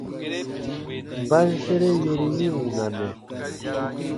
Mba n sere yori yi wunanɛ ?